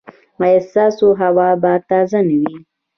ایا ستاسو هوا به تازه نه وي؟